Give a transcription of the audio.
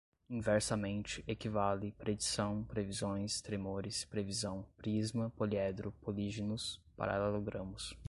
inversamente, equivale, predição, previsões, tremores, previsão, prisma, poliedro, políginos, paralelogramos